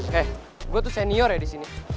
hei gue tuh senior ya disini